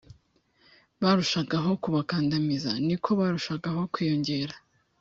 barushagaho kubakandamiza ni ko barushagaho kwiyongera